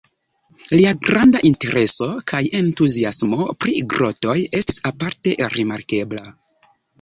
Lia granda intereso kaj entuziasmo pri grotoj estis aparte rimarkebla.